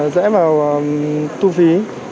dễ vào thu phí